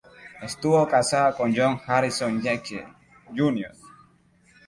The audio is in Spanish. Estuvo casada con John Harrison Yankee Jr.